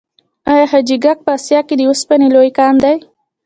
آیا حاجي ګک په اسیا کې د وسپنې لوی کان دی؟